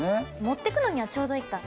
持ってくのにはちょうどいいか。